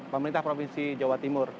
pemerintah provinsi jawa timur